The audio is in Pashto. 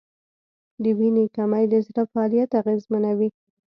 د وینې کمی د زړه فعالیت اغېزمنوي.